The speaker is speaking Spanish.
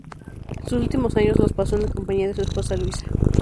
Sus últimos años los pasó en compañía de su esposa Luisa.